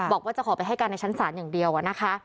บอกว่าจะขอไปให้การในชั้นศาลอย่างเดียวนะคะ